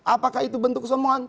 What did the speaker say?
apakah itu bentuk kesombongan